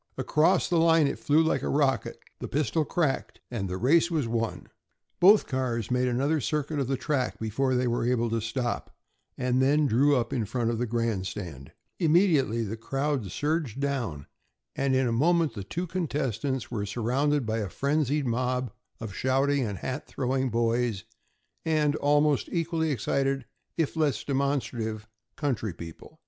Across the line it flew like a rocket, the pistol cracked, and the race was won! [Illustration: Across the line it flew like a rocket. (See page 217)] Both cars made another circuit of the track before they were able to stop, and then drew up in front of the grandstand. Immediately the crowd surged down, and in a moment the two contestants were surrounded by a frenzied mob of shouting and hat throwing boys, and almost equally excited, if less demonstrative, country people.